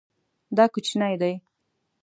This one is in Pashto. دا کوچنی دی